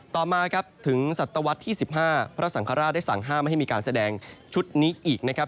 ต่อมาครับถึงศัตวรรษที่๑๕พระสังฆราชได้สั่งห้ามไม่ให้มีการแสดงชุดนี้อีกนะครับ